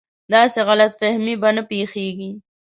داسې غلط فهمي به نه پېښېږي.